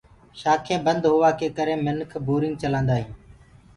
شآکينٚ بند هوآ ڪي ڪري منک بورينگ چلآندآ هينٚ۔